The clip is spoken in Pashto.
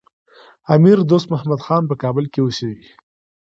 امیر دوست محمد خان په کابل کي اوسېږي.